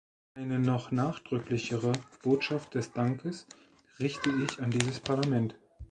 Eine noch nachdrücklichere Botschaft des Dankes richte ich an dieses Parlament.